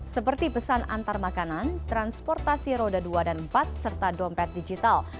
seperti pesan antar makanan transportasi roda dua dan empat serta dompet digital